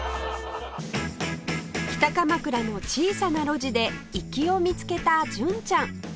北鎌倉の小さな路地で粋を見つけた純ちゃん